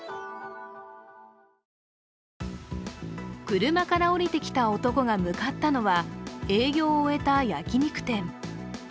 車から降りてきた男が向かったのは営業を終えた焼き肉店。